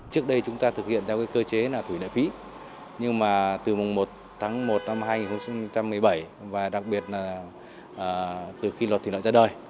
trước đây chúng ta thực hiện theo cơ chế là thủy lợi phí nhưng mà từ mùng một tháng một năm hai nghìn một mươi bảy và đặc biệt là từ khi luật thủy lợi ra đời